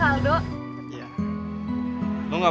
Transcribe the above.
kan dinda yang mungkin yang bantu